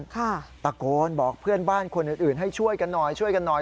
ตะโกนบอกเพื่อนบ้านคนอื่นให้ช่วยกันหน่อย